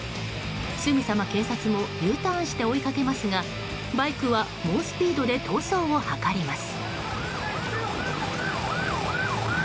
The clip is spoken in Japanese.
すぐさま警察もＵターンして追いかけますがバイクは猛スピードで逃走を図ります。